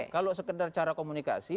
kalau sekedar cara komunikasi